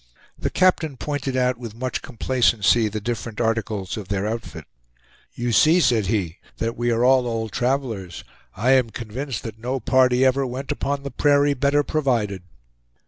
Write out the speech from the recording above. The captain pointed out, with much complacency, the different articles of their outfit. "You see," said he, "that we are all old travelers. I am convinced that no party ever went upon the prairie better provided."